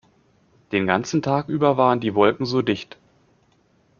Den ganzen Tag über waren die Wolken so dicht.